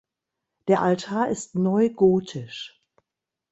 Der Altar ist neugotisch.